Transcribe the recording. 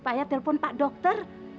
pake telepon pak dokter